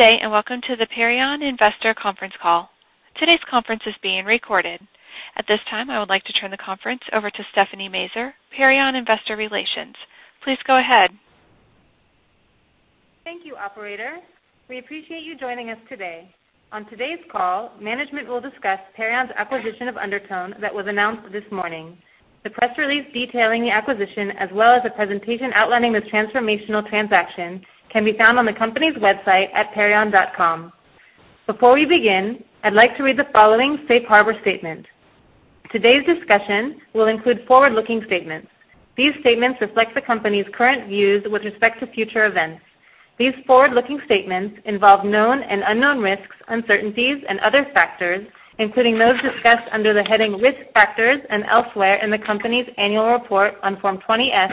Good day, welcome to the Perion investor conference call. Today's conference is being recorded. At this time, I would like to turn the conference over to Stephanie Mazur, Perion Investor Relations. Please go ahead. Thank you, operator. We appreciate you joining us today. On today's call, management will discuss Perion's acquisition of Undertone that was announced this morning. The press release detailing the acquisition, as well as a presentation outlining this transformational transaction, can be found on the company's website at perion.com. Before we begin, I'd like to read the following safe harbor statement. Today's discussion will include forward-looking statements. These statements reflect the company's current views with respect to future events. These forward-looking statements involve known and unknown risks, uncertainties, and other factors, including those discussed under the heading "Risk Factors" and elsewhere in the company's annual report on Form 20-F,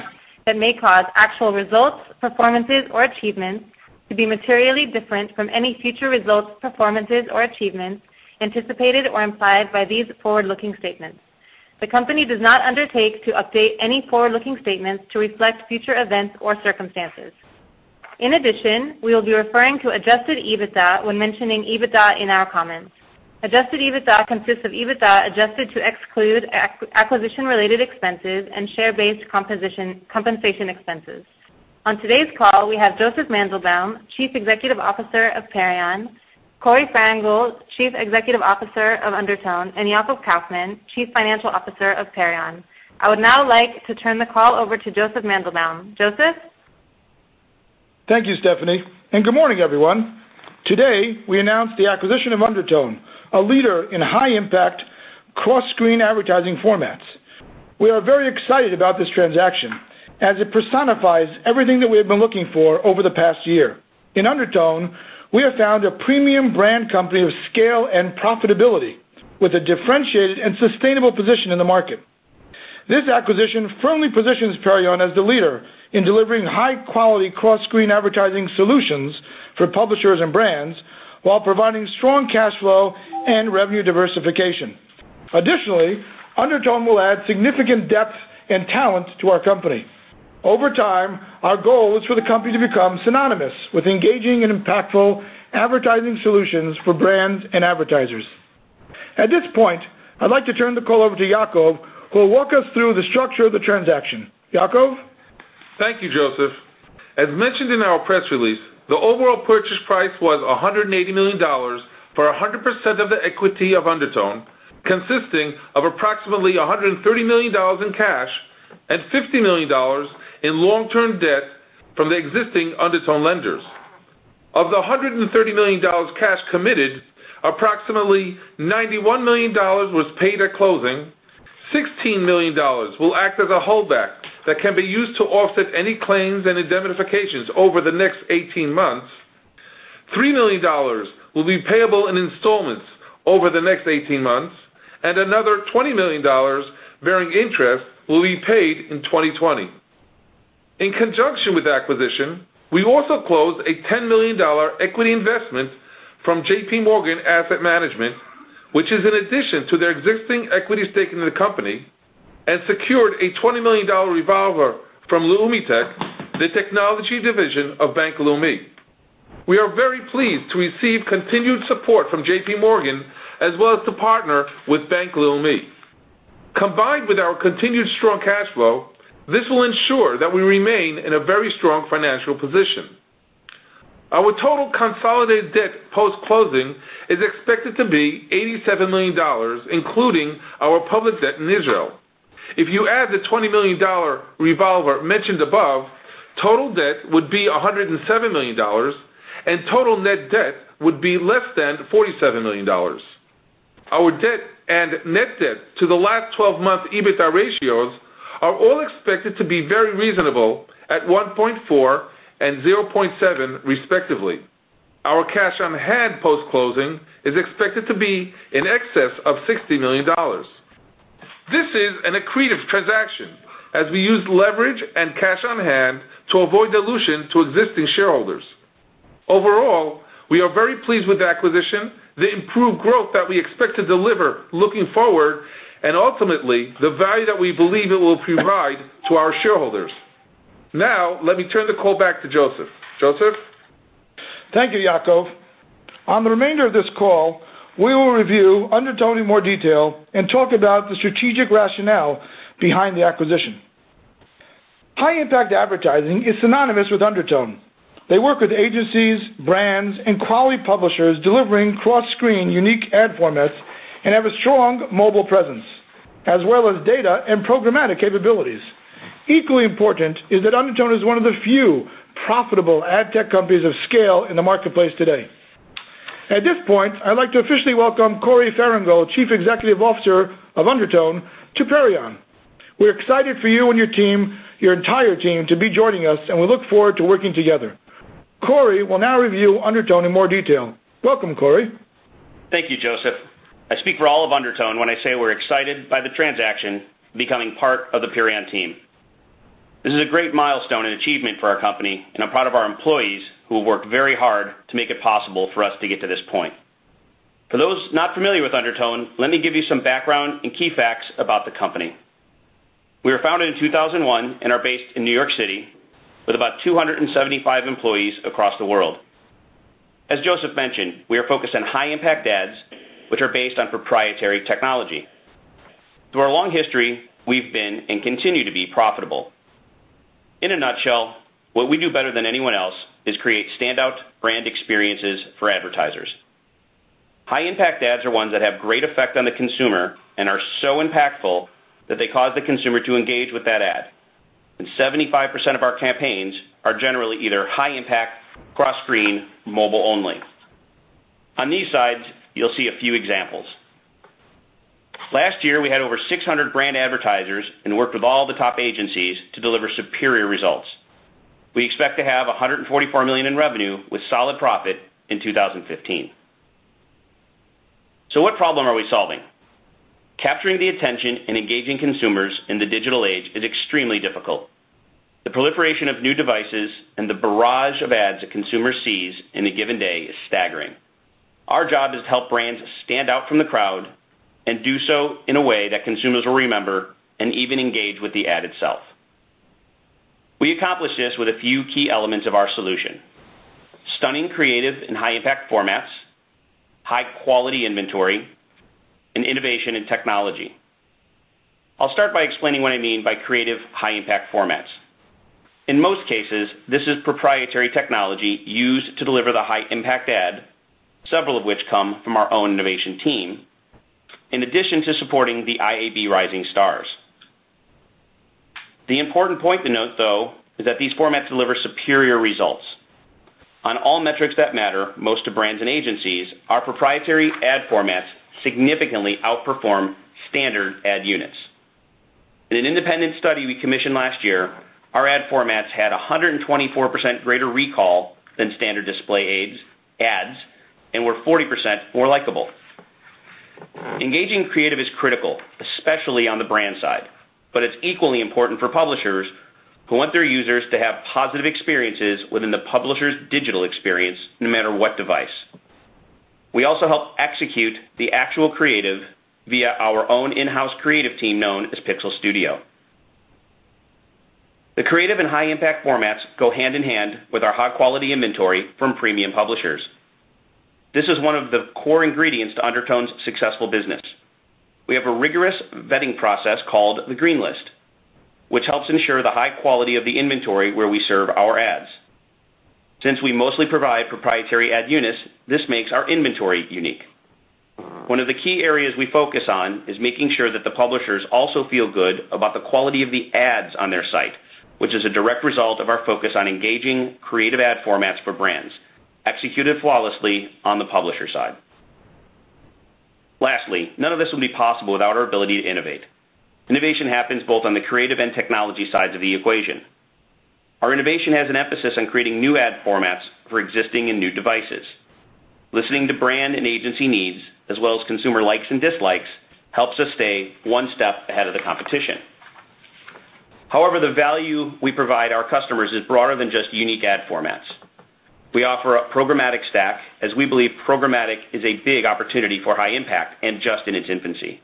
that may cause actual results, performances, or achievements to be materially different from any future results, performances, or achievements anticipated or implied by these forward-looking statements. The company does not undertake to update any forward-looking statements to reflect future events or circumstances. In addition, we will be referring to adjusted EBITDA when mentioning EBITDA in our comments. Adjusted EBITDA consists of EBITDA adjusted to exclude acquisition-related expenses and share-based compensation expenses. On today's call, we have Josef Mandelbaum, Chief Executive Officer of Perion, Corey Ferengul, Chief Executive Officer of Undertone, and Yacov Kaufman, Chief Financial Officer of Perion. I would now like to turn the call over to Josef Mandelbaum. Josef? Thank you, Stephanie, good morning, everyone. Today, we announce the acquisition of Undertone, a leader in high-impact cross-screen advertising formats. We are very excited about this transaction as it personifies everything that we have been looking for over the past year. In Undertone, we have found a premium brand company of scale and profitability with a differentiated and sustainable position in the market. This acquisition firmly positions Perion as the leader in delivering high-quality cross-screen advertising solutions for publishers and brands while providing strong cash flow and revenue diversification. Additionally, Undertone will add significant depth and talent to our company. Over time, our goal is for the company to become synonymous with engaging and impactful advertising solutions for brands and advertisers. At this point, I'd like to turn the call over to Yaacov, who will walk us through the structure of the transaction. Yaacov? Thank you, Josef. As mentioned in our press release, the overall purchase price was $180 million for 100% of the equity of Undertone, consisting of approximately $130 million in cash and $50 million in long-term debt from the existing Undertone lenders. Of the $130 million cash committed, approximately $91 million was paid at closing, $16 million will act as a holdback that can be used to offset any claims and indemnifications over the next 18 months, $3 million will be payable in installments over the next 18 months, and another $20 million, bearing interest, will be paid in 2020. In conjunction with the acquisition, we also closed a $10 million equity investment from J.P. Morgan Asset Management, which is in addition to their existing equity stake in the company, and secured a $20 million revolver from Leumi Tech, the technology division of Bank Leumi. We are very pleased to receive continued support from J.P. Morgan, as well as to partner with Bank Leumi. Combined with our continued strong cash flow, this will ensure that we remain in a very strong financial position. Our total consolidated debt post-closing is expected to be $87 million, including our public debt in Israel. If you add the $20 million revolver mentioned above, total debt would be $107 million, and total net debt would be less than $47 million. Our debt and net debt to the last 12 months EBITDA ratios are all expected to be very reasonable at 1.4 and 0.7 respectively. Our cash on hand post-closing is expected to be in excess of $60 million. This is an accretive transaction as we used leverage and cash on hand to avoid dilution to existing shareholders. Overall, we are very pleased with the acquisition, the improved growth that we expect to deliver looking forward, and ultimately, the value that we believe it will provide to our shareholders. Now, let me turn the call back to Josef. Josef? Thank you, Yacov. On the remainder of this call, we will review Undertone in more detail and talk about the strategic rationale behind the acquisition. High-impact advertising is synonymous with Undertone. They work with agencies, brands, and quality publishers delivering cross-screen unique ad formats and have a strong mobile presence, as well as data and programmatic capabilities. Equally important is that Undertone is one of the few profitable ad tech companies of scale in the marketplace today. At this point, I'd like to officially welcome Corey Ferengul, Chief Executive Officer of Undertone, to Perion. We're excited for you and your team, your entire team, to be joining us, and we look forward to working together. Corey will now review Undertone in more detail. Welcome, Corey. Thank you, Josef. I speak for all of Undertone when I say we're excited by the transaction, becoming part of the Perion team. This is a great milestone and achievement for our company, and I'm proud of our employees who have worked very hard to make it possible for us to get to this point. For those not familiar with Undertone, let me give you some background and key facts about the company. We were founded in 2001 and are based in New York City with about 275 employees across the world. As Josef mentioned, we are focused on high-impact ads which are based on proprietary technology. Through our long history, we've been and continue to be profitable. In a nutshell, what we do better than anyone else is create standout brand experiences for advertisers. High-impact ads are ones that have great effect on the consumer and are so impactful that they cause the consumer to engage with that ad. Seventy-five percent of our campaigns are generally either high-impact, cross-screen, mobile only. On these slides, you'll see a few examples. Last year, we had over 600 brand advertisers and worked with all the top agencies to deliver superior results. We expect to have $144 million in revenue with solid profit in 2015. What problem are we solving? Capturing the attention and engaging consumers in the digital age is extremely difficult. The proliferation of new devices and the barrage of ads a consumer sees in a given day is staggering. Our job is to help brands stand out from the crowd and do so in a way that consumers will remember and even engage with the ad itself. We accomplish this with a few key elements of our solution: stunning creative and high-impact formats, high-quality inventory, and innovation and technology. I'll start by explaining what I mean by creative, high-impact formats. In most cases, this is proprietary technology used to deliver the high-impact ad, several of which come from our own innovation team, in addition to supporting the IAB Rising Stars. The important point to note, though, is that these formats deliver superior results. On all metrics that matter most to brands and agencies, our proprietary ad formats significantly outperform standard ad units. In an independent study we commissioned last year, our ad formats had 124% greater recall than standard display ads and were 40% more likable. Engaging creative is critical, especially on the brand side, but it's equally important for publishers who want their users to have positive experiences within the publisher's digital experience, no matter what device. We also help execute the actual creative via our own in-house creative team known as Creative Studio. The creative and high-impact formats go hand in hand with our high-quality inventory from premium publishers. This is one of the core ingredients to Undertone's successful business. We have a rigorous vetting process called the Green List, which helps ensure the high quality of the inventory where we serve our ads. Since we mostly provide proprietary ad units, this makes our inventory unique. One of the key areas we focus on is making sure that the publishers also feel good about the quality of the ads on their site, which is a direct result of our focus on engaging creative ad formats for brands, executed flawlessly on the publisher side. Lastly, none of this would be possible without our ability to innovate. Innovation happens both on the creative and technology sides of the equation. Our innovation has an emphasis on creating new ad formats for existing and new devices. Listening to brand and agency needs, as well as consumer likes and dislikes, helps us stay one step ahead of the competition. The value we provide our customers is broader than just unique ad formats. We offer a programmatic stack as we believe programmatic is a big opportunity for high impact and just in its infancy.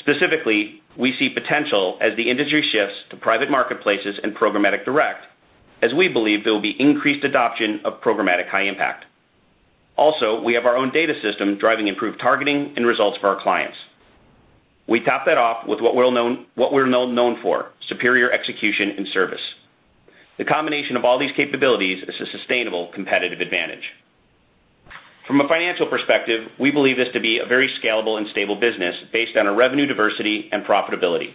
Specifically, we see potential as the industry shifts to private marketplaces and programmatic direct as we believe there will be increased adoption of programmatic high impact. Also, we have our own data system driving improved targeting and results for our clients. We top that off with what we're known for, superior execution and service. The combination of all these capabilities is a sustainable competitive advantage. From a financial perspective, we believe this to be a very scalable and stable business based on our revenue diversity and profitability.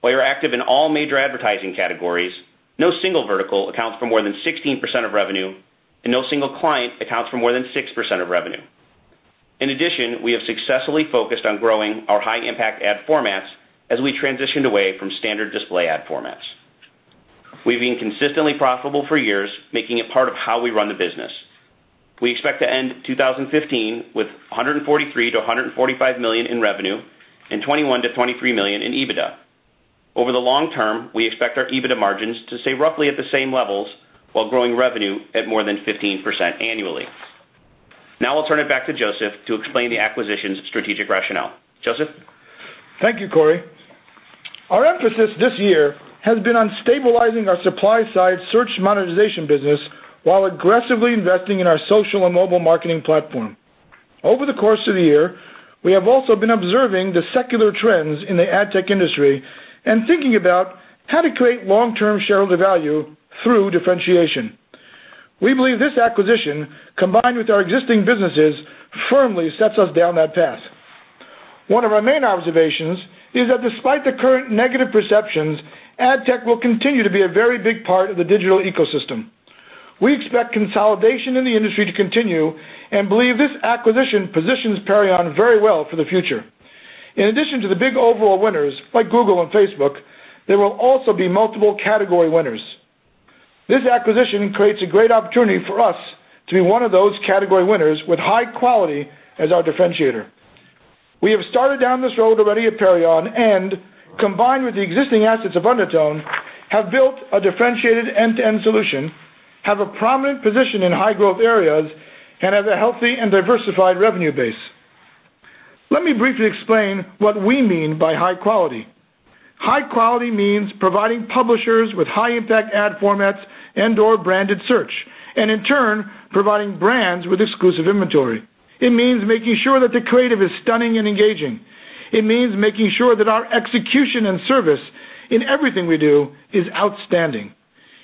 While you're active in all major advertising categories, no single vertical accounts for more than 16% of revenue, and no single client accounts for more than 6% of revenue. In addition, we have successfully focused on growing our high-impact ad formats as we transitioned away from standard display ad formats. We've been consistently profitable for years, making it part of how we run the business. We expect to end 2015 with $143 million-$145 million in revenue and $21 million-$23 million in EBITDA. Over the long term, we expect our EBITDA margins to stay roughly at the same levels while growing revenue at more than 15% annually. I'll turn it back to Josef to explain the acquisition's strategic rationale. Josef? Thank you, Corey. Our emphasis this year has been on stabilizing our supply-side search monetization business while aggressively investing in our social and mobile marketing platform. Over the course of the year, we have also been observing the secular trends in the ad tech industry and thinking about how to create long-term shareholder value through differentiation. We believe this acquisition, combined with our existing businesses, firmly sets us down that path. One of our main observations is that despite the current negative perceptions, ad tech will continue to be a very big part of the digital ecosystem. We expect consolidation in the industry to continue and believe this acquisition positions Perion very well for the future. In addition to the big overall winners like Google and Facebook, there will also be multiple category winners. This acquisition creates a great opportunity for us to be one of those category winners with high quality as our differentiator. We have started down this road already at Perion and, combined with the existing assets of Undertone, have built a differentiated end-to-end solution, have a prominent position in high-growth areas, and have a healthy and diversified revenue base. Let me briefly explain what we mean by high quality. High quality means providing publishers with high-impact ad formats and/or branded search, and in turn, providing brands with exclusive inventory. It means making sure that the creative is stunning and engaging. It means making sure that our execution and service in everything we do is outstanding.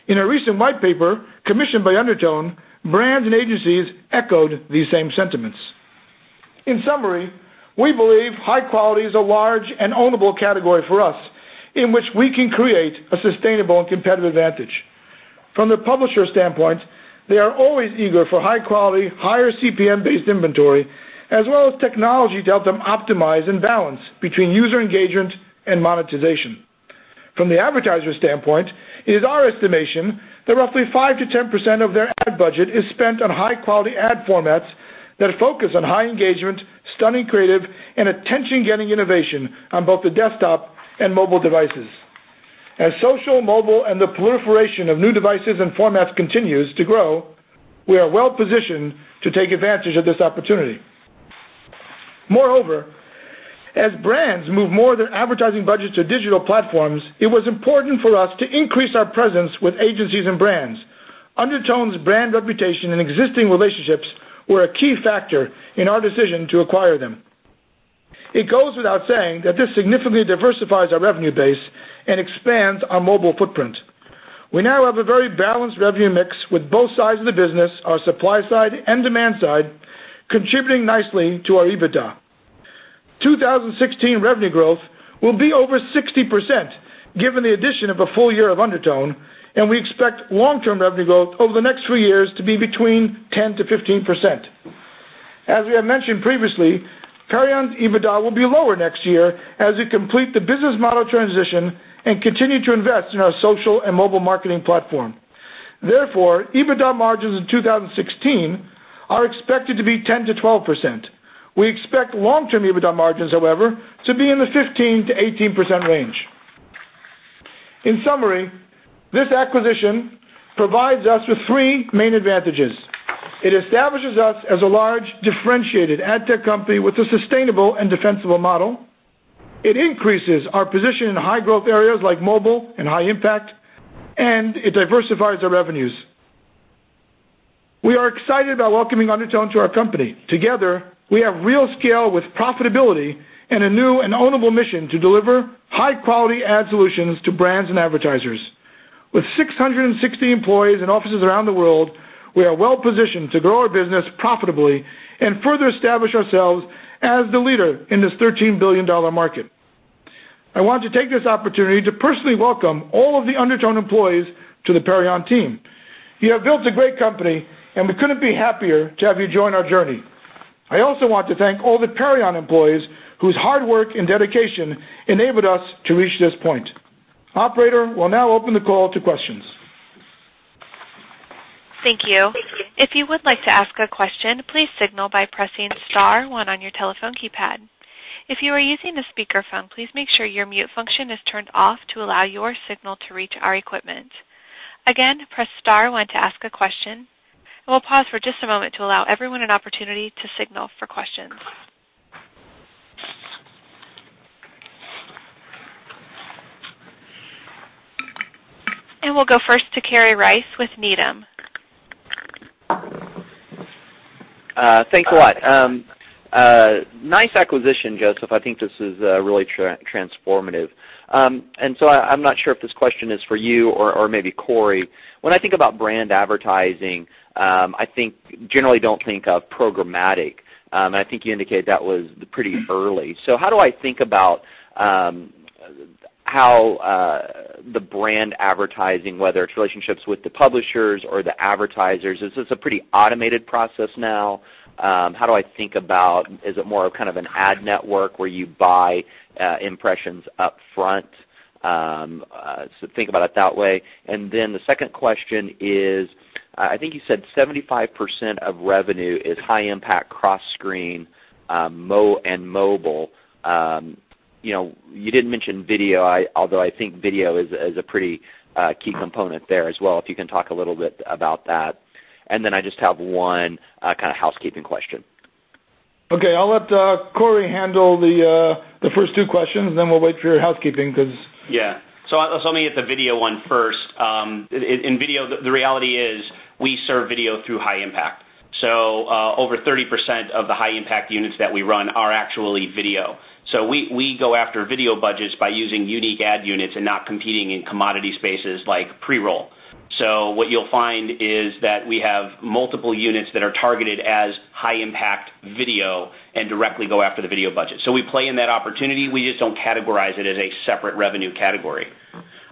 In a recent white paper commissioned by Undertone, brands and agencies echoed these same sentiments. In summary, we believe high quality is a large and ownable category for us in which we can create a sustainable and competitive advantage. From the publisher standpoint, they are always eager for high-quality, higher CPM-based inventory, as well as technology to help them optimize and balance between user engagement and monetization. From the advertiser standpoint, it is our estimation that roughly 5%-10% of their ad budget is spent on high-quality ad formats that focus on high engagement, stunning creative, and attention-getting innovation on both the desktop and mobile devices. As social, mobile, and the proliferation of new devices and formats continues to grow, we are well-positioned to take advantage of this opportunity. Moreover, as brands move more of their advertising budget to digital platforms, it was important for us to increase our presence with agencies and brands. Undertone's brand reputation and existing relationships were a key factor in our decision to acquire them. It goes without saying that this significantly diversifies our revenue base and expands our mobile footprint. We now have a very balanced revenue mix with both sides of the business, our supply side and demand side, contributing nicely to our EBITDA. 2016 revenue growth will be over 60%, given the addition of a full year of Undertone, and we expect long-term revenue growth over the next three years to be between 10%-15%. As we have mentioned previously, Perion's EBITDA will be lower next year as we complete the business model transition and continue to invest in our social and mobile marketing platform. Therefore, EBITDA margins in 2016 are expected to be 10%-12%. We expect long-term EBITDA margins, however, to be in the 15%-18% range. In summary, this acquisition provides us with three main advantages. It establishes us as a large, differentiated ad tech company with a sustainable and defensible model. It increases our position in high-growth areas like mobile and high impact, and it diversifies our revenues. We are excited about welcoming Undertone to our company. Together, we have real scale with profitability and a new and ownable mission to deliver high-quality ad solutions to brands and advertisers. With 660 employees and offices around the world, we are well-positioned to grow our business profitably and further establish ourselves as the leader in this $13 billion market. I want to take this opportunity to personally welcome all of the Undertone employees to the Perion team. You have built a great company, and we couldn't be happier to have you join our journey. I also want to thank all the Perion employees whose hard work and dedication enabled us to reach this point. Operator, we'll now open the call to questions. Thank you. If you would like to ask a question, please signal by pressing star one on your telephone keypad. If you are using a speakerphone, please make sure your mute function is turned off to allow your signal to reach our equipment. Again, press star one to ask a question. We'll pause for just a moment to allow everyone an opportunity to signal for questions. We'll go first to Kerry Rice with Needham. Thanks a lot. Nice acquisition, Josef. I think this is really transformative. I'm not sure if this question is for you or maybe Corey. When I think about brand advertising, I generally don't think of programmatic. I think you indicate that was pretty early. How do I think about how the brand advertising, whether it's relationships with the publishers or the advertisers, is this a pretty automated process now? How do I think about is it more of kind of an ad network where you buy impressions up front? Think about it that way. The second question is, I think you said 75% of revenue is high-impact cross-screen and mobile. You didn't mention video, although I think video is a pretty key component there as well, if you can talk a little about that. I just have one kind of housekeeping question. Okay, I'll let Corey handle the first two questions, then we'll wait for your housekeeping. Yeah. I'll only get the video one first. In video, the reality is we serve video through high-impact. Over 30% of the high-impact units that we run are actually video. We go after video budgets by using unique ad units and not competing in commodity spaces like pre-roll. What you'll find is that we have multiple units that are targeted as high-impact video and directly go after the video budget. We play in that opportunity. We just don't categorize it as a separate revenue category.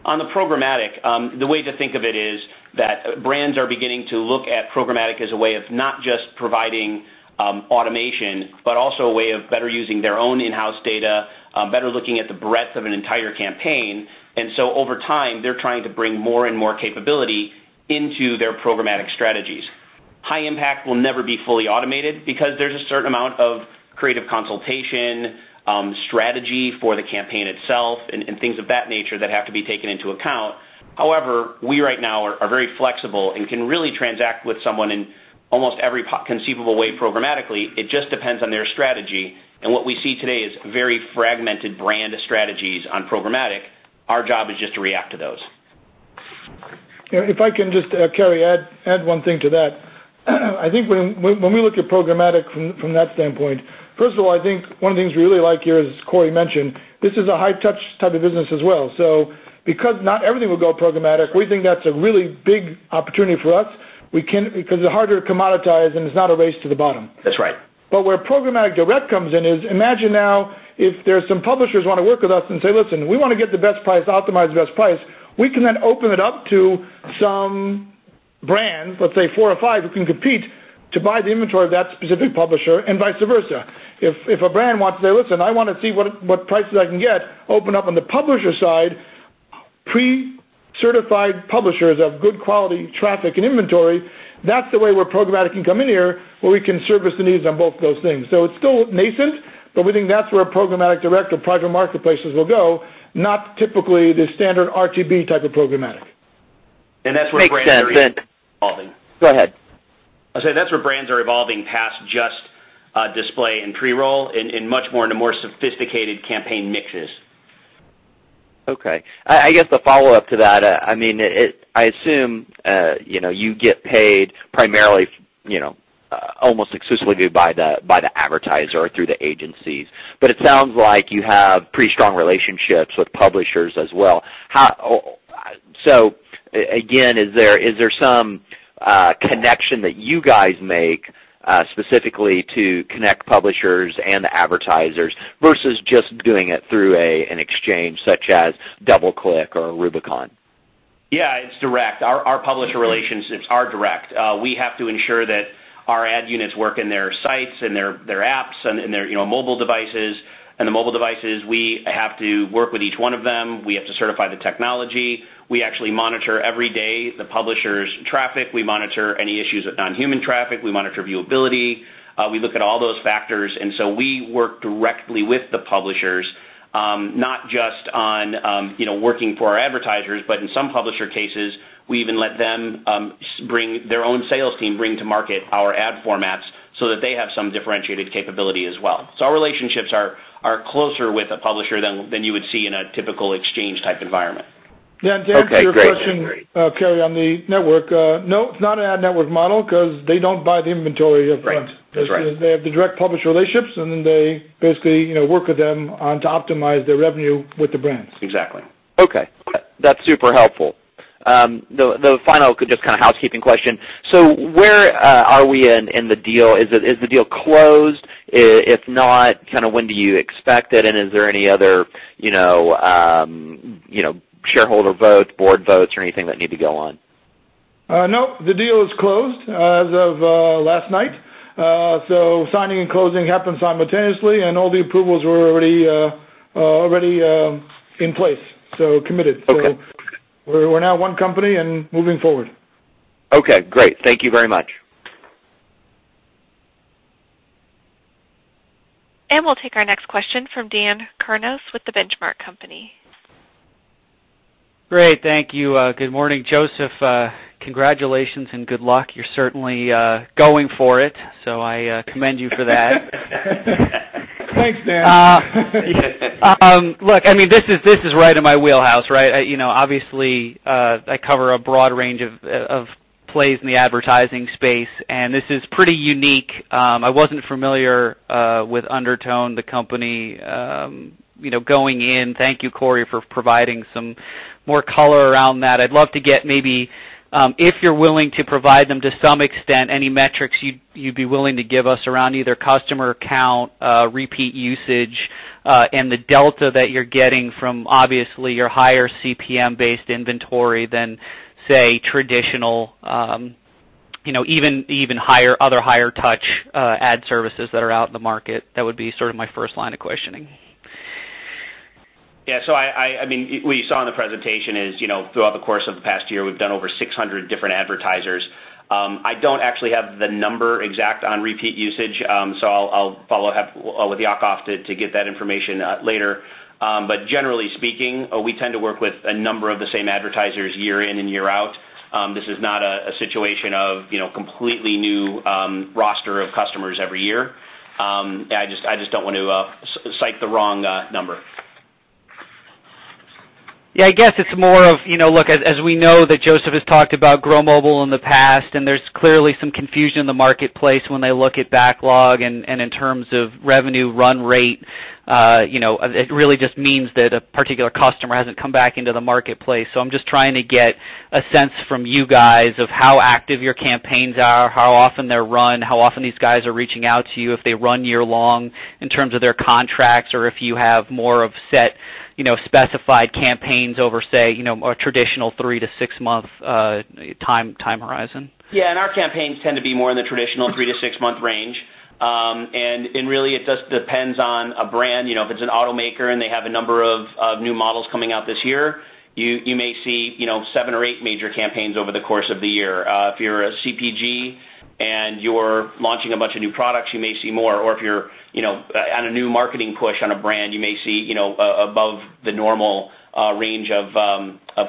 On the programmatic, the way to think of it is that brands are beginning to look at programmatic as a way of not just providing automation, but also a way of better using their own in-house data, better looking at the breadth of an entire campaign. Over time, they're trying to bring more and more capability into their programmatic strategies. High-impact will never be fully automated because there's a certain amount of creative consultation, strategy for the campaign itself, and things of that nature that have to be taken into account. However, we right now are very flexible and can really transact with someone in almost every conceivable way programmatically. It just depends on their strategy. What we see today is very fragmented brand strategies on programmatic. Our job is just to react to those. If I can just, Kerry, add one thing to that. I think when we look at programmatic from that standpoint, first of all, I think one of the things we really like here, as Corey mentioned, this is a high-touch type of business as well. Because not everything will go programmatic, we think that's a really big opportunity for us. The harder it commoditize and it's not a race to the bottom. That's right. Where programmatic direct comes in is, imagine now if there's some publishers who want to work with us and say, "Listen, we want to get the best price, optimize the best price." We can then open it up to some brands, let's say four or five, who can compete to buy the inventory of that specific publisher, and vice versa. If a brand wants to say, "Listen, I want to see what prices I can get," open up on the publisher side, pre-certified publishers of good quality traffic and inventory. That's the way where programmatic can come in here, where we can service the needs on both of those things. It's still nascent, but we think that's where programmatic direct or private marketplaces will go, not typically the standard RTB type of programmatic. That's where brands are evolving. Makes sense. Go ahead. I said that's where brands are evolving past just display and pre-roll in much more into more sophisticated campaign mixes. Okay. I guess the follow-up to that, I assume you get paid primarily, almost exclusively by the advertiser or through the agencies. It sounds like you have pretty strong relationships with publishers as well. Again, is there some connection that you guys make specifically to connect publishers and advertisers versus just doing it through an exchange such as DoubleClick or Rubicon? Yeah, it's direct. Our publisher relationships are direct. We have to ensure that our ad units work in their sites and their apps and in their mobile devices. The mobile devices, we have to work with each one of them. We have to certify the technology. We actually monitor every day the publisher's traffic. We monitor any issues with non-human traffic. We monitor viewability. We look at all those factors, we work directly with the publishers, not just on working for our advertisers, but in some publisher cases, we even let their own sales team bring to market our ad formats so that they have some differentiated capability as well. Our relationships are closer with a publisher than you would see in a typical exchange-type environment. Okay, great. Yeah. To answer your question, Carey, on the network, no, it's not an ad network model because they don't buy the inventory upfront. Right. They have the direct publisher relationships, then they basically work with them to optimize their revenue with the brands. Exactly. Okay. That's super helpful. The final just kind of housekeeping question. Where are we in the deal? Is the deal closed? If not, kind of when do you expect it, and is there any other shareholder votes, board votes, or anything that need to go on? No, the deal is closed as of last night. Signing and closing happened simultaneously, all the approvals were already in place, committed. Okay. We're now one company and moving forward. Okay, great. Thank you very much. We'll take our next question from Dan Kurnos with The Benchmark Company. Great. Thank you. Good morning, Josef. Congratulations and good luck. You're certainly going for it, so I commend you for that. Thanks, Dan. Look, this is right in my wheelhouse, right? Obviously, I cover a broad range of plays in the advertising space, this is pretty unique. I wasn't familiar with Undertone, the company, going in. Thank you, Corey, for providing some more color around that. I'd love to get maybe, if you're willing to provide them to some extent, any metrics you'd be willing to give us around either customer count, repeat usage, and the delta that you're getting from, obviously, your higher CPM-based inventory than, say, traditional, even other higher touch ad services that are out in the market. That would be sort of my first line of questioning. Yeah. What you saw in the presentation is throughout the course of the past year, we've done over 600 different advertisers. I don't actually have the number exact on repeat usage, I'll follow up with Yacov to get that information later. Generally speaking, we tend to work with a number of the same advertisers year in and year out. This is not a situation of completely new roster of customers every year. I just don't want to cite the wrong number. Yeah, I guess it's more of, look, as we know that Josef has talked about Grow Mobile in the past, there's clearly some confusion in the marketplace when they look at backlog and in terms of revenue run rate. It really just means that a particular customer hasn't come back into the marketplace. I'm just trying to get a sense from you guys of how active your campaigns are, how often they're run, how often these guys are reaching out to you, if they run year long in terms of their contracts, or if you have more of set, specified campaigns over, say, a traditional three to six-month time horizon. Yeah. Our campaigns tend to be more in the traditional 3-6 month range. Really, it just depends on a brand. If it's an automaker and they have a number of new models coming out this year, you may see seven or eight major campaigns over the course of the year. If you're a CPG and you're launching a bunch of new products, you may see more, or if you're on a new marketing push on a brand, you may see above the normal range of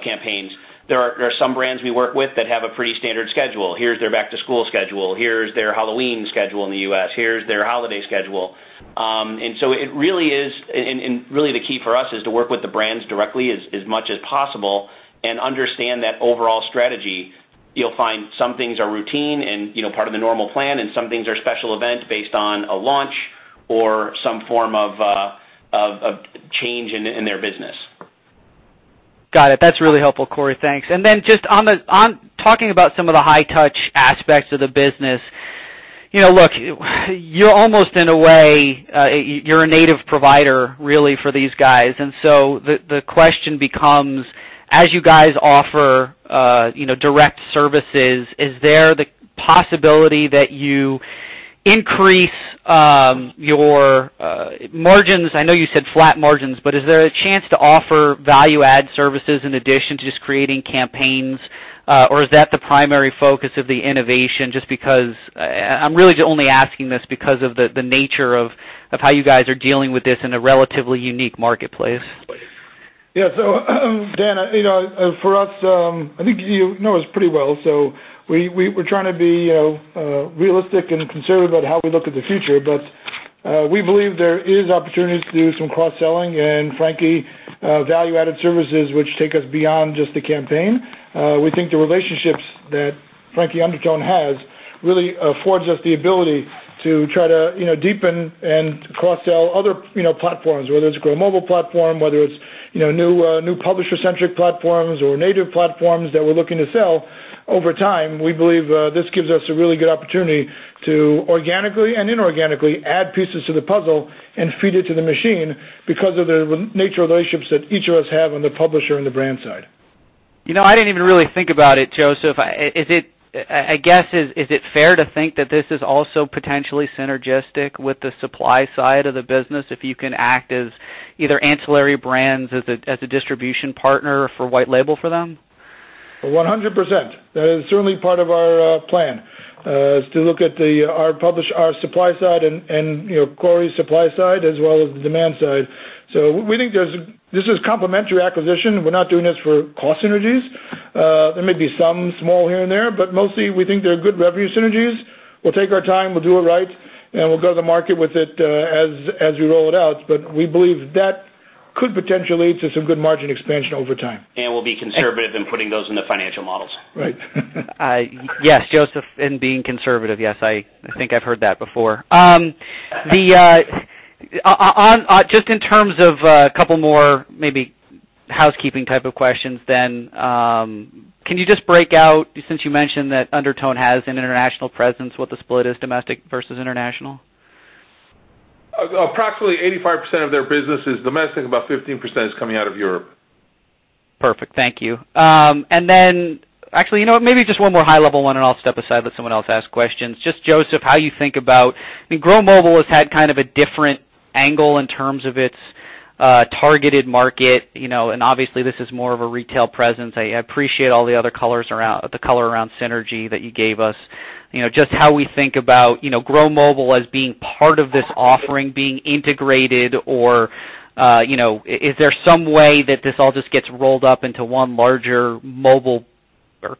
campaigns. There are some brands we work with that have a pretty standard schedule. Here's their back-to-school schedule. Here's their Halloween schedule in the U.S. Here's their holiday schedule. Really, the key for us is to work with the brands directly as much as possible and understand that overall strategy. You'll find some things are routine and part of the normal plan, and some things are special events based on a launch or some form of change in their business. Got it. That's really helpful, Corey. Thanks. Just talking about some of the high touch aspects of the business. Look, you're almost in a way, you're a native provider really for these guys. The question becomes, as you guys offer direct services, is there the possibility that you increase your margins? I know you said flat margins. Is there a chance to offer value-add services in addition to just creating campaigns? Or is that the primary focus of the innovation? I'm really only asking this because of the nature of how you guys are dealing with this in a relatively unique marketplace. Yeah. Dan, for us, I think you know us pretty well. We're trying to be realistic and conservative about how we look at the future. We believe there are opportunities to do some cross-selling and frankly, value-added services which take us beyond just the campaign. We think the relationships that frankly, Undertone has really affords us the ability to try to deepen and cross-sell other platforms, whether it's a Grow Mobile platform, whether it's new publisher-centric platforms or native platforms that we're looking to sell. Over time, we believe this gives us a really good opportunity to organically and inorganically add pieces to the puzzle and feed it to the machine because of the nature of relationships that each of us have on the publisher and the brand side. I didn't even really think about it, Josef. I guess, is it fair to think that this is also potentially synergistic with the supply side of the business if you can act as either ancillary brands as a distribution partner for white label for them? 100%. That is certainly part of our plan, is to look at our supply side and Corey's supply side as well as the demand side. We think this is complementary acquisition. We're not doing this for cost synergies. There may be some small here and there, mostly we think there are good revenue synergies. We'll take our time, we'll do it right, we'll go to the market with it as we roll it out. We believe that could potentially lead to some good margin expansion over time. We'll be conservative in putting those in the financial models. Right. Yes, Josef, being conservative. Yes, I think I've heard that before. Just in terms of a couple more, maybe housekeeping type of questions then, can you just break out, since you mentioned that Undertone has an international presence, what the split is domestic versus international? Approximately 85% of their business is domestic. About 15% is coming out of Europe. Perfect. Thank you. Actually, maybe just one more high-level one, and I'll step aside, let someone else ask questions. Josef, how you think about, Grow Mobile has had kind of a different angle in terms of its targeted market, and obviously this is more of a retail presence. I appreciate all the color around synergy that you gave us. Just how we think about, Grow Mobile as being part of this offering being integrated, or is there some way that this all just gets rolled up into one larger mobile or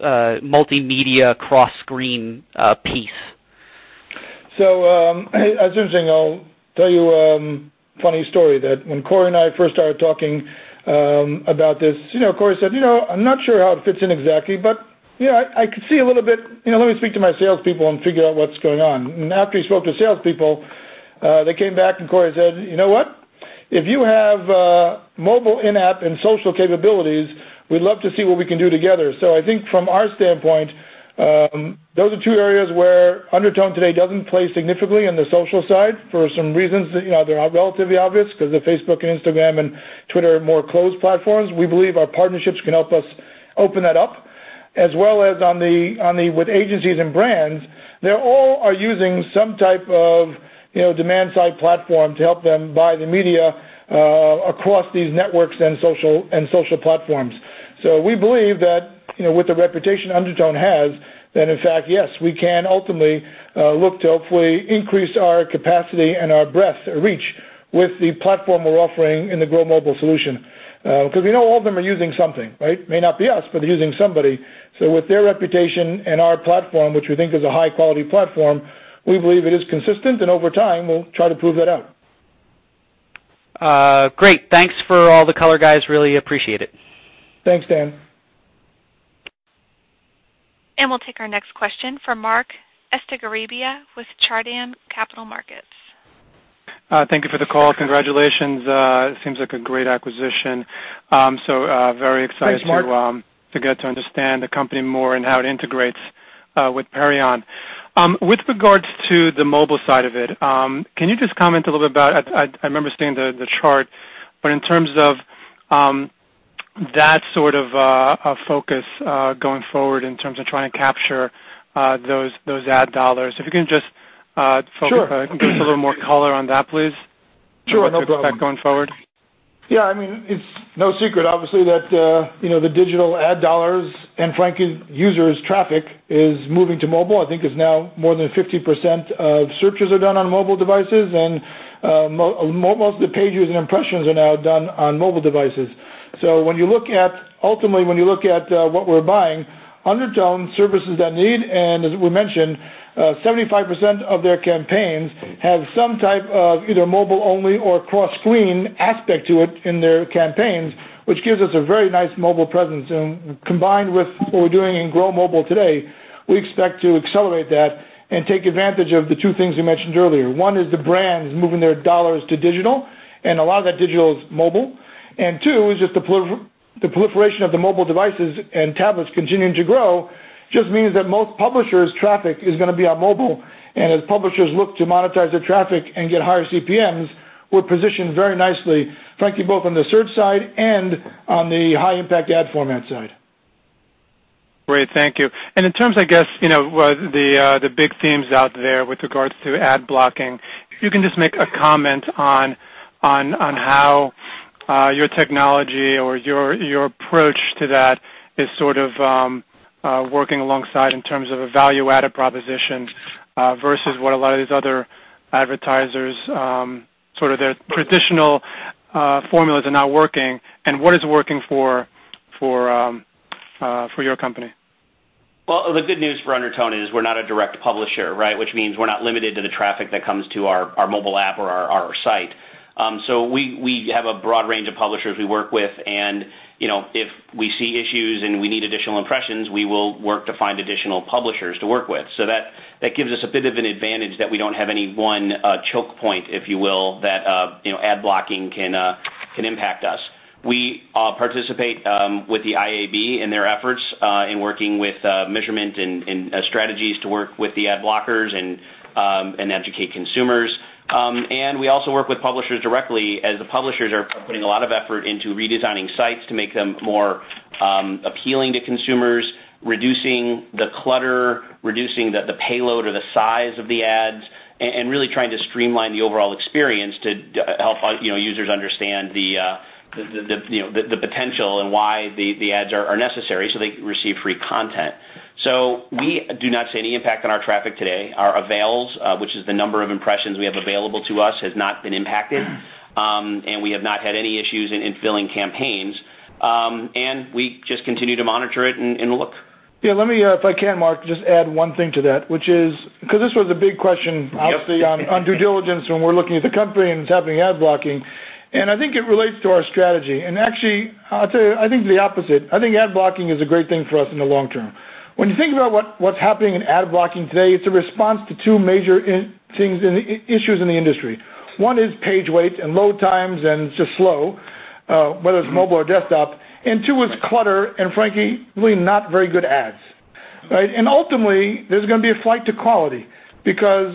multimedia cross-screen piece? That's interesting. I'll tell you a funny story that when Corey and I first started talking about this, Corey said, "I'm not sure how it fits in exactly, but I could see a little bit. Let me speak to my salespeople and figure out what's going on." After he spoke to salespeople, they came back, and Corey said, "You know what? If you have mobile in-app and social capabilities, we'd love to see what we can do together." I think from our standpoint, those are two areas where Undertone today doesn't play significantly in the social side for some reasons that are relatively obvious, because of Facebook and Instagram and Twitter are more closed platforms. We believe our partnerships can help us open that up, as well as with agencies and brands. They all are using some type of demand-side platform to help them buy the media across these networks and social platforms. We believe that with the reputation Undertone has, that in fact, yes, we can ultimately look to hopefully increase our capacity and our breadth or reach with the platform we're offering in the Grow Mobile solution. We know all of them are using something, right? May not be us, but they're using somebody. With their reputation and our platform, which we think is a high-quality platform, we believe it is consistent, and over time, we'll try to prove that out. Great. Thanks for all the color, guys. Really appreciate it. Thanks, Dan. We'll take our next question from Marc Estigarribia with Chardan Capital Markets. Thank you for the call. Congratulations. It seems like a great acquisition. I am very excited. Thanks, Marc. To get to understand the company more and how it integrates with Perion. With regards to the mobile side of it, can you just comment a little bit about, I remember seeing the chart, but in terms of that sort of focus going forward in terms of trying to capture those ad dollars, if you can just focus. Sure. Give us a little more color on that, please. Sure, no problem. With respect going forward. Yeah. It's no secret, obviously, that the digital ad dollars, and frankly, users traffic, is moving to mobile. I think it's now more than 50% of searches are done on mobile devices, and most of the pages and impressions are now done on mobile devices. Ultimately, when you look at what we're buying, Undertone services that need, as we mentioned, 75% of their campaigns have some type of either mobile-only or cross-screen aspect to it in their campaigns, which gives us a very nice mobile presence. Combined with what we're doing in Grow Mobile today, we expect to accelerate that and take advantage of the two things we mentioned earlier. One is the brands moving their dollars to digital, a lot of that digital is mobile. Two is just the proliferation of the mobile devices and tablets continuing to grow just means that most publishers' traffic is going to be on mobile. As publishers look to monetize their traffic and get higher CPMs, we're positioned very nicely, frankly, both on the search side and on the high-impact ad format side. Great. Thank you. In terms, I guess, the big themes out there with regards to ad blocking, if you can just make a comment on how your technology or your approach to that is sort of working alongside in terms of a value-added proposition, versus what a lot of these other advertisers, sort of their traditional formulas are now working, what is working for your company. Well, the good news for Undertone is we're not a direct publisher. We're not limited to the traffic that comes to our mobile app or our site. We have a broad range of publishers we work with, and if we see issues and we need additional impressions, we will work to find additional publishers to work with. That gives us a bit of an advantage that we don't have any one choke point, if you will, that ad blocking can impact us. We participate with the IAB in their efforts in working with measurement and strategies to work with the ad blockers and educate consumers. We also work with publishers directly, as the publishers are putting a lot of effort into redesigning sites to make them more appealing to consumers, reducing the clutter, reducing the payload or the size of the ads, and really trying to streamline the overall experience to help users understand the potential and why the ads are necessary so they can receive free content. We do not see any impact on our traffic today. Our avails, which is the number of impressions we have available to us, has not been impacted, and we have not had any issues in filling campaigns. We just continue to monitor it and look. Yeah, let me, if I can, Mark, just add one thing to that, which is, because this was a big question, obviously. Yep on due diligence when we're looking at the company and what's happening with ad blocking, I think it relates to our strategy. Actually, I'll tell you, I think the opposite. I think ad blocking is a great thing for us in the long term. You think about what's happening in ad blocking today, it's a response to two major issues in the industry. One is page weight and load times and just slow, whether it's mobile or desktop. Two is clutter, and frankly, really not very good ads. Right? Ultimately, there's going to be a flight to quality because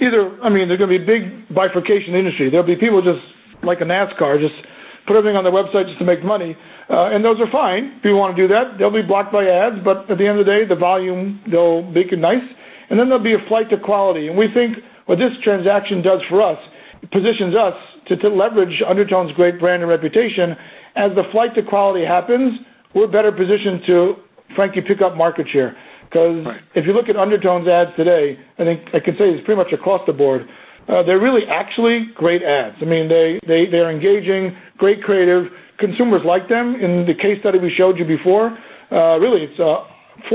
there's going to be a big bifurcation in the industry. There'll be people just like a NASCAR, just put everything on their website just to make money. Those are fine. If you want to do that, they'll be blocked by ads, but at the end of the day, the volume, they'll be nice. Then there'll be a flight to quality. We think what this transaction does for us, it positions us to leverage Undertone's great brand and reputation. As the flight to quality happens, we're better positioned to, frankly, pick up market share. Because- Right If you look at Undertone's ads today, I think I can say it's pretty much across the board, they're really actually great ads. They're engaging, great creative. Consumers like them. In the case study we showed you before, really, it's 40%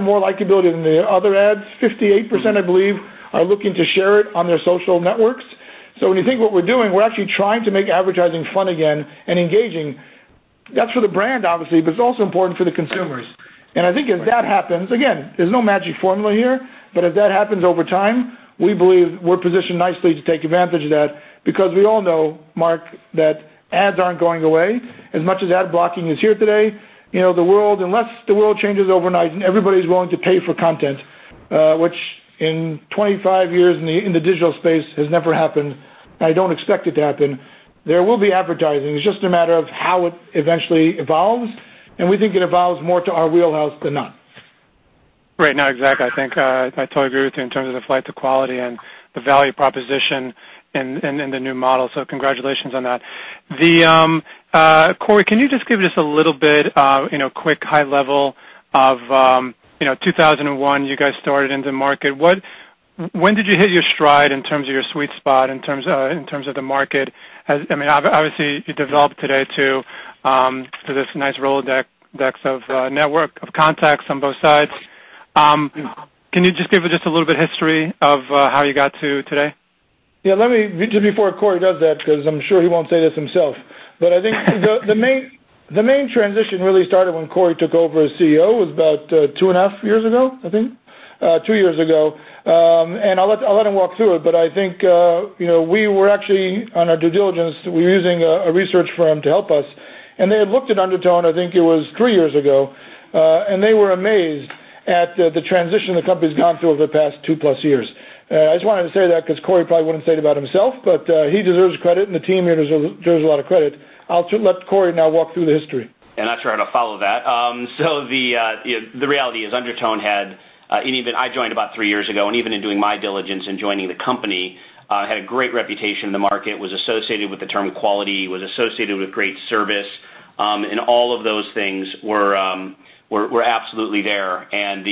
more likability than the other ads. 58%, I believe, are looking to share it on their social networks. When you think what we're doing, we're actually trying to make advertising fun again and engaging. That's for the brand, obviously, but it's also important for the consumers. I think if that happens, again, there's no magic formula here, but if that happens over time, we believe we're positioned nicely to take advantage of that because we all know, Marc, that ads aren't going away. As much as ad blocking is here today, unless the world changes overnight and everybody's willing to pay for content, which in 25 years in the digital space has never happened, and I don't expect it to happen, there will be advertising. It's just a matter of how it eventually evolves, and we think it evolves more to our wheelhouse than not. Right. No, exactly. I think I totally agree with you in terms of the flight to quality and the value proposition in the new model. Congratulations on that. Corey, can you just give just a little bit quick, high level of, 2001, you guys started in the market. When did you hit your stride in terms of your sweet spot, in terms of the market? Obviously, you developed today to this nice Rolodex of network, of contacts on both sides. Can you just give us just a little bit history of how you got to today? Let me, just before Corey does that, because I'm sure he won't say this himself. I think the main transition really started when Corey took over as CEO. It was about two and a half years ago, I think. Two years ago. I'll let him walk through it, but I think, we were actually on our due diligence. We were using a research firm to help us, and they had looked at Undertone, I think it was three years ago, and they were amazed at the transition the company's gone through over the past two-plus years. I just wanted to say that because Corey probably wouldn't say it about himself, but he deserves credit, and the team here deserves a lot of credit. I'll let Corey now walk through the history. Not sure how to follow that. The reality is Undertone had Even I joined about three years ago, and even in doing my diligence in joining the company, had a great reputation in the market, was associated with the term quality, was associated with great service, and all of those things were absolutely there. It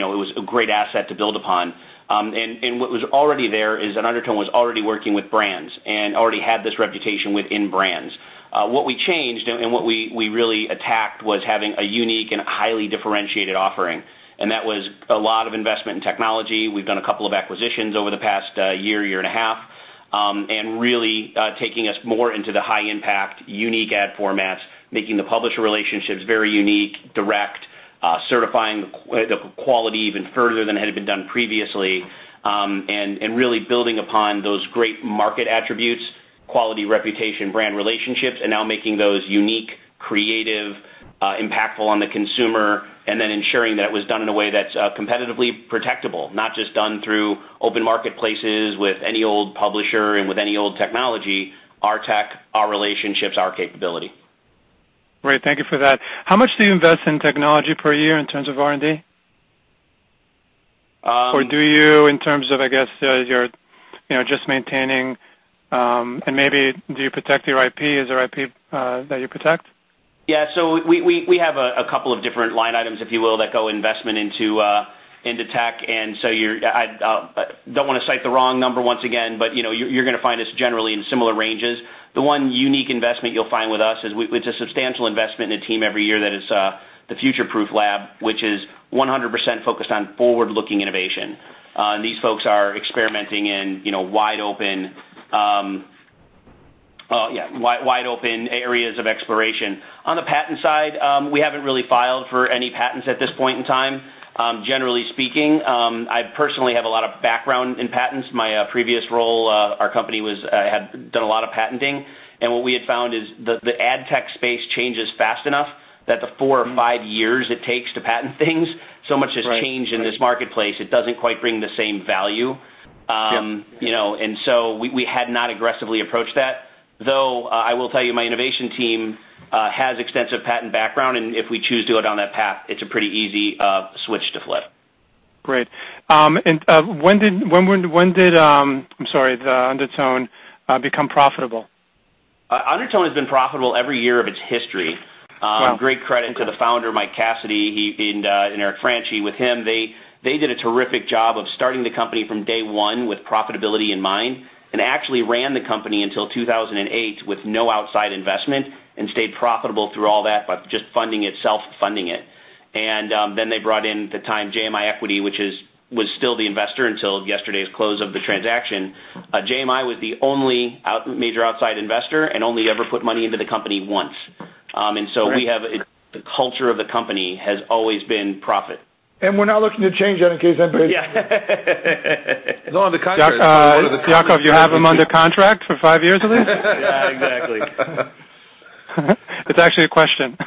was a great asset to build upon. What was already there is that Undertone was already working with brands and already had this reputation within brands. What we changed and what we really attacked was having a unique and highly differentiated offering, and that was a lot of investment in technology. We've done a couple of acquisitions over the past year and a half, really taking us more into the high-impact, unique ad formats, making the publisher relationships very unique, direct, certifying the quality even further than had been done previously, really building upon those great market attributes, quality, reputation, brand relationships, now making those unique, creative, impactful on the consumer, then ensuring that it was done in a way that's competitively protectable, not just done through open marketplaces with any old publisher and with any old technology. Our tech, our relationships, our capability. Great. Thank you for that. How much do you invest in technology per year in terms of R&D? Um- Do you, in terms of, I guess, you're just maintaining, and maybe do you protect your IP? Is there IP that you protect? Yeah. We have a couple of different line items, if you will, that go investment into tech. I don't want to cite the wrong number once again, but you're going to find us generally in similar ranges. The one unique investment you'll find with us is, it's a substantial investment in a team every year that is the Future Proof Lab, which is 100% focused on forward-looking innovation. These folks are experimenting in wide open areas of exploration. On the patent side, we haven't really filed for any patents at this point in time. Generally speaking, I personally have a lot of background in patents. My previous role, our company had done a lot of patenting, and what we had found is the ad tech space changes fast enough that the four or five years it takes to patent things, so much has changed in this marketplace, it doesn't quite bring the same value. Yeah. We had not aggressively approached that, though I will tell you, my innovation team has extensive patent background, and if we choose to go down that path, it's a pretty easy switch to flip. When did, I'm sorry, Undertone become profitable? Undertone has been profitable every year of its history. Wow, okay. Great credit to the founder, Michael Cassidy, and Eric Franchi. With him, they did a terrific job of starting the company from day one with profitability in mind and actually ran the company until 2008 with no outside investment and stayed profitable through all that by just funding it, self-funding it. Then they brought in, at the time, JMI Equity, which was still the investor until yesterday's close of the transaction. JMI was the only major outside investor and only ever put money into the company once. So we have, the culture of the company has always been profit. We're not looking to change that. Yeah. It's on the contrary. Yacov, you have him under contract for five years at least? Yeah, exactly. It's actually a question.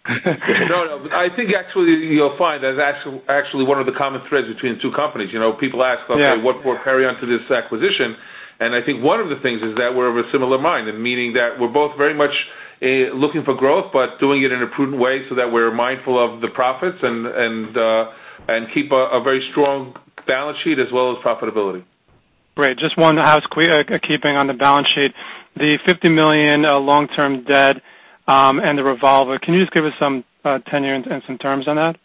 No, no, I think actually, you'll find that actually one of the common threads between the two companies. People ask, okay, what will carry on to this acquisition, and I think one of the things is that we're of a similar mind, and meaning that we're both very much looking for growth, but doing it in a prudent way so that we're mindful of the profits and keep a very strong balance sheet as well as profitability. Great. Just one housekeeping on the balance sheet. The $50 million long-term debt and the revolver, can you just give us some tenure and some terms on that?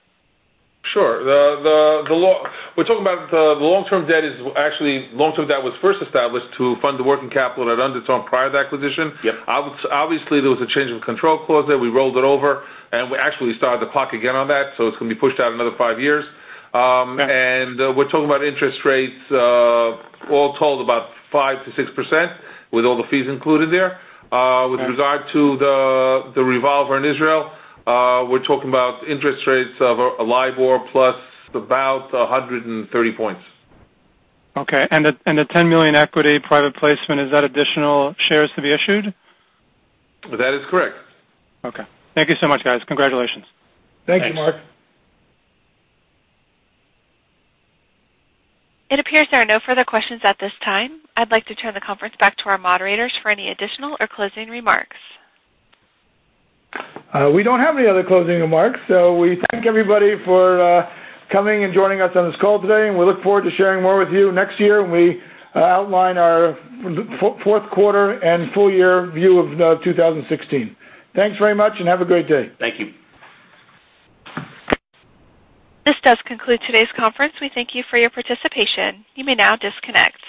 Sure. We're talking about the long-term debt is actually, long-term debt was first established to fund the working capital at Undertone prior to acquisition. Yep. Obviously, there was a change in control clause there. We rolled it over, and we actually started the clock again on that, so it's going to be pushed out another five years. Okay. We're talking about interest rates, all told, about 5% to 6% with all the fees included there. With regard to the revolver in Israel, we're talking about interest rates of a LIBOR plus about 130 points. Okay. The $10 million equity private placement, is that additional shares to be issued? That is correct. Okay. Thank you so much, guys. Congratulations. Thank you, Mark. Thanks. It appears there are no further questions at this time. I'd like to turn the conference back to our moderators for any additional or closing remarks. We don't have any other closing remarks, so we thank everybody for coming and joining us on this call today, and we look forward to sharing more with you next year when we outline our fourth quarter and full year view of 2016. Thanks very much and have a great day. Thank you. This does conclude today's conference. We thank you for your participation. You may now disconnect.